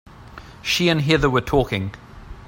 She and Heather were talking.